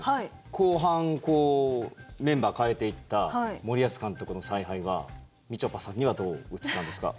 後半、メンバーを代えていった森保監督の采配はみちょぱさんにはどう映ったんですか？